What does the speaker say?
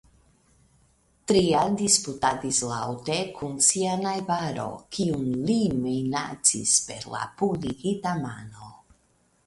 Tria disputadis laŭte kun sia najbaro, kiun li minacis per la pugnigita mano.